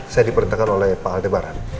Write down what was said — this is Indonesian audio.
saya diperintahkan oleh pak aldebaran